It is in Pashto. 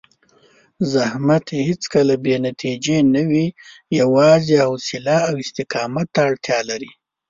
زحمت هېڅکله بې نتیجې نه وي، یوازې حوصله او استقامت ته اړتیا لري.